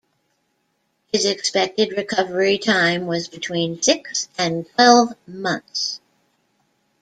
His expected recovery time was between six and twelve months.